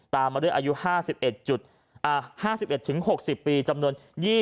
ตามมาด้วยอายุ๕๑๕๑๖๐ปีจำนวน